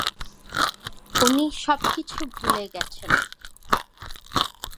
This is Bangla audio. উনি সবকিছু ভুলে গেছেন।